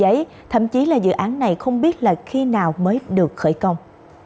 vì vậy thậm chí là dự án này không biết là khi nào mới được khởi công